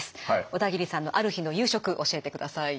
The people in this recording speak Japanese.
小田切さんのある日の夕食教えてください。